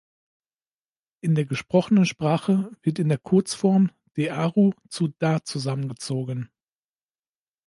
In der gesprochenen Sprache wird in der Kurzform "de aru" zu "da" zusammengezogen.